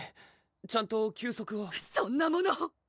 ちゃんと休息をそんなもの！